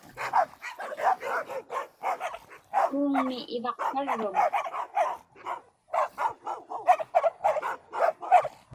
Kuuŋmi ivaqparruŋ?